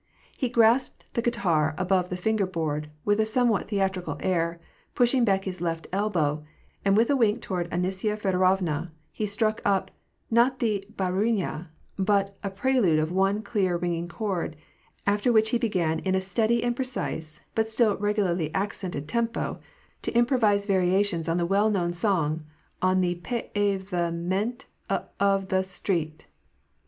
He grasped the guitar above the finger board, with a somewhat theatrical air, pushing back his left elbow j and, with a wink toward Anisya Feodorovna, he struck up, not the Bdruirit/a, but a prelude of one clear, ringing chord ; after which he began in a steady and precise, but still regularly accentuated tempo, to improvise variations on the well known song, " On the pa a ve ment o^f the street."